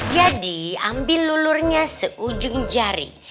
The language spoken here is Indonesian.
jadi ambil lulurnya seujung jari